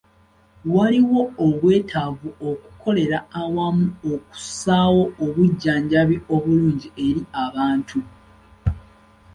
Waliwo obwetaavu okukolera awamu okussaawo obujjanjabi obulungi eri abantu.